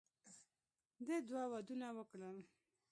ده دوه ودونه وکړل.